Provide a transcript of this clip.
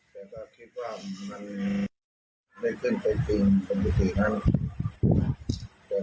แต่ก็คิดว่ามันไม่ขึ้นไปจริงสมมตินั่น